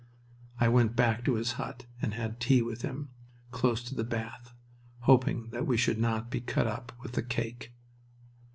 I went back to his hut and had tea with him, close to that bath, hoping that we should not be cut up with the cake.